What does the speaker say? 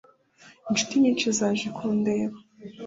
Inshuti nyinshi zaje kundeba.